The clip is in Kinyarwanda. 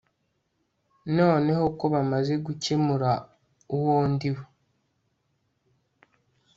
Noneho ko bamaze gukemura uwo ndiwe